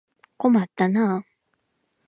困ったなあ。